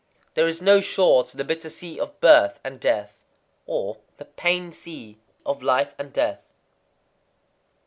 _ There is no shore to the bitter Sea of Birth and Death. Or, "the Pain Sea of Life and Death."